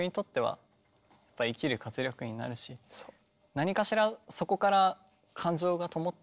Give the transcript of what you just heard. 何かしらそこから感情がともったり。